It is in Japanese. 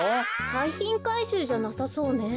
はいひんかいしゅうじゃなさそうね。